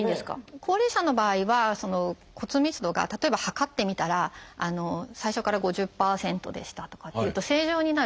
高齢者の場合は骨密度が例えば測ってみたら最初から５０％でしたとかっていうと正常になる